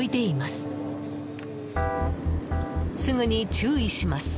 すぐに注意します。